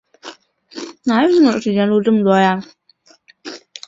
辽朝只能全力固守幽蓟。